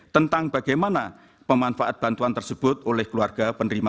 tentang bagaimana pemanfaat bantuan tersebut oleh keluarga pemerintah dan pemerintah